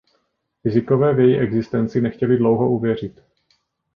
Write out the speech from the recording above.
Fyzikové v její existenci nechtěli dlouho uvěřit.